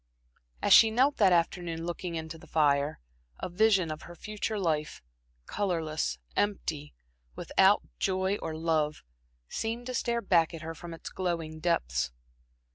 As she knelt that afternoon looking into the fire, a vision of her future life colorless, empty, without joy or love seemed to stare back at her from its glowing depths.